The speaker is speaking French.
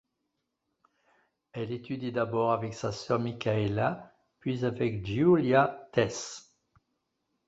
Elle étudie d'abord avec sa sœur Micaela, puis avec Giulia Tess.